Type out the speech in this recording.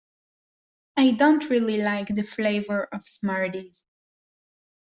I don't really like the flavour of Smarties